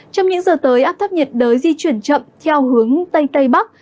trong những giờ tới áp thấp nhiệt đới di chuyển chậm theo hướng tây tây bắc